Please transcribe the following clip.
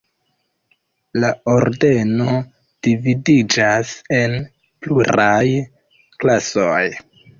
La Ordeno dividiĝas en pluraj klasoj.